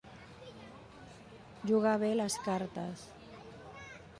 Jugar bé les cartes.